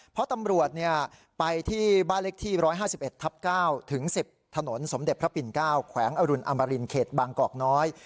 เพราะตำรวจไปที่บ้านเล็กที่๑๕๑ทับ๙ถึง๑๐ถนนสมเด็จพระปิ่น๙แขวงอรุณอมรินเขตบางกอกน้อย